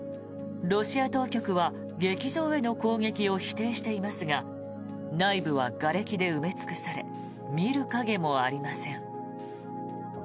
ロシア当局は劇場への攻撃を否定していますが内部はがれきで埋め尽くされ見る影もありません。